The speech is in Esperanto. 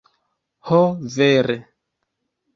Ho, vere.